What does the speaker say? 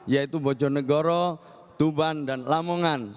yaitu bojonegoro tuban dan lamongan